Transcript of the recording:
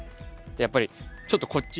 やっぱりちょっとこっち